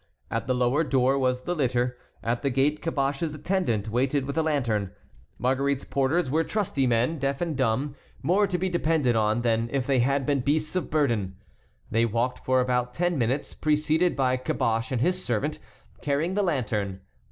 At the lower door was the litter; at the gate Caboche's attendant waited with a lantern. Marguerite's porters were trusty men, deaf and dumb, more to be depended on than if they had been beasts of burden. They walked for about ten minutes, preceded by Caboche and his servant, carrying the lantern.